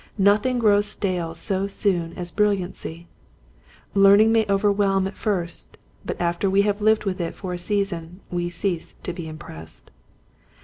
Nothing grows stale so soon as brilliancy. Learning may overwhelm at first but after we have lived with it for a season we cease to be impressed.